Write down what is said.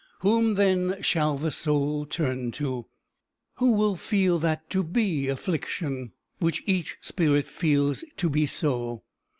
Whom, then, shall the soul turn to? Who will feel that to be affliction which each spirit feels to be so?